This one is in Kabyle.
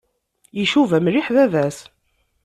Icuba mliḥ baba-s.